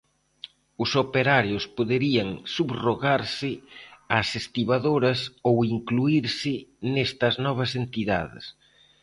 Os operarios poderían subrogarse ás estibadoras ou incluírse nestas novas entidades.